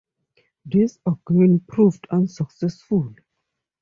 This again proved unsuccessful.